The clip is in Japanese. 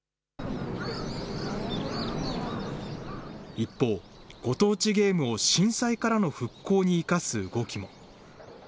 一方、ご当地ゲームを震災からの復興に生かす動きも。